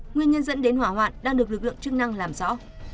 nguyên nhân dẫn đến hỏa hoạn đang được lực lượng chức năng làm rõ